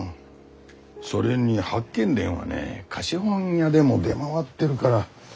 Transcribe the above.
それに「八犬伝」はね貸本屋でも出回ってるから。